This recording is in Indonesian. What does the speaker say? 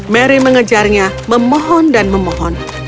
mary mengejarnya memohon dan memohon